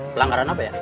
pelanggaran apa ya